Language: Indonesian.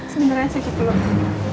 sebenarnya segitu loh